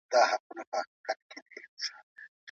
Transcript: افغانستان د ګډو ترانزیتي لارو د ویجاړولو هڅه نه کوي.